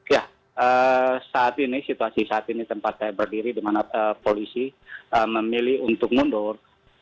ya saat ini situasi saat ini tempat saya berdiri di mana polisi memilih untuk mundur